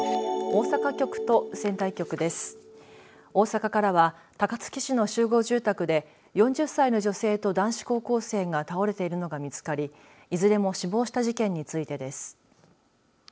大阪からは高槻市の集合住宅で４０歳の女性と男子高校生が倒れているのが見つかりいずれも死亡した事件についてです。